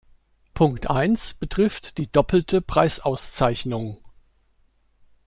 Punkt eins betrifft die doppelte Preisauszeichnung.